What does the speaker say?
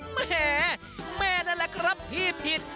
แหมแม่นั่นแหละครับพี่ผิด